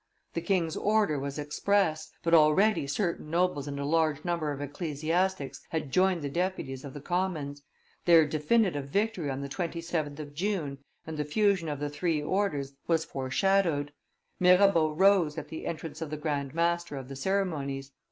The king's order was express, but already certain nobles and a large number of ecclesiastics had joined the deputies of the commons; their definitive victory on the 27th of June, and the fusion of the three orders, were foreshadowed; Mirabeau rose at the entrance of the grand master of the ceremonies.